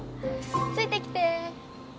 ついてきて。